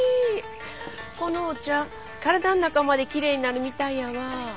このお茶体ん中まできれいになるみたいやわ。